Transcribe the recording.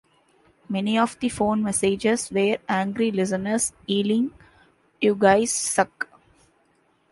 Many of the phone messages were angry listeners yelling You guys suck!